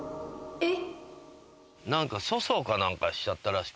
えっ！？